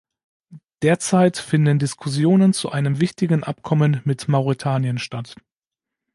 Derzeit finden Diskussionen zu einem wichtigen Abkommen mit Mauretanien statt.